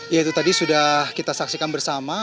ya itu tadi sudah kita saksikan bersama